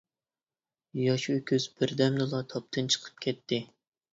ياش ئۆكۈز بىر دەمدىلا تاپتىن چىقىپ كەتتى.